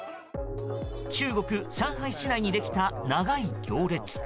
中国・上海市内にできた長い行列。